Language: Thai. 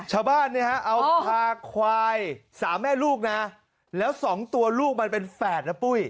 ชาวบ้านเนี่ยเอาควายสามแม่ลูกแล้วสองตัวลูกมันเป็นแฝดนะปุ้ย